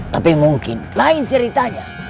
tapi mungkin lain ceritanya